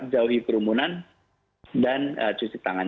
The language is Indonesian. jauhi kerumunan dan cuci tangan